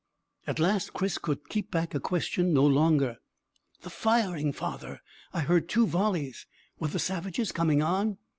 At last Chris could keep back a question no longer. "The firing, father I heard two volleys. Were the savages coming on?"